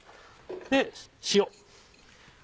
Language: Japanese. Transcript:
塩。